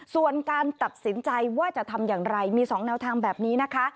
ส่วนการตัดสินใจว่าจะทำอย่างไรมี๒แนวทางแบบนี้นะคะ